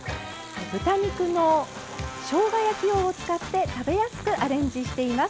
豚肉のしょうが焼き用を使って食べやすくアレンジしています。